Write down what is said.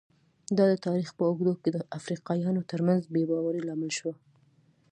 دا د تاریخ په اوږدو کې د افریقایانو ترمنځ بې باورۍ لامل شوي.